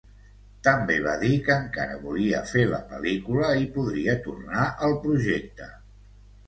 També va dir que encara volia fer la pel·lícula i podria tornar al projecte.